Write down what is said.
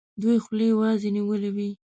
دوی خولې وازي نیولي وي.